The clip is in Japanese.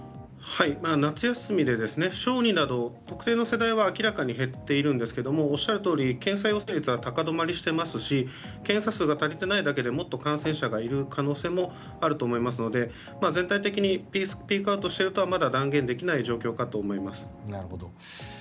夏休みで小児など特定の世代は明らかに減っているんですがおっしゃるとおり検査陽性率は高止まりしていますし検査数が足りていないだけでもっと感染者がいる可能性もあると思いますので全体的にピークアウトしてるとはまだ断言できない状況かと思います。